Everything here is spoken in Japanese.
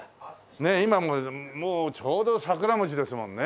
ねえ今もうちょうどさくら餅ですもんね。